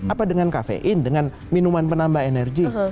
apa dengan kafein dengan minuman penambah energi